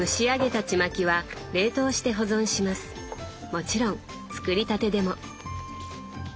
もちろん作りたてでも。